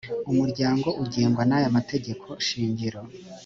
umuryango ugengwa n’aya mategeko shingiro